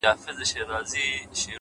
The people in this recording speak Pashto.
سیاه پوسي ده د مړو ورا ده’